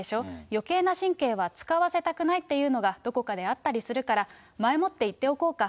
よけいな神経は使わせたくないっていうのがどこかであったりするから、前もって言っておこうか。